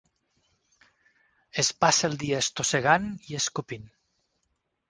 Es passa el dia estossegant i escopint.